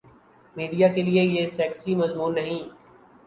Media کیلئے یہ sexy مضمون نہیں۔